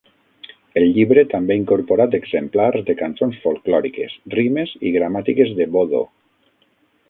El llibre també ha incorporat exemplars de cançons folklòriques, rimes i gramàtiques de Bodo.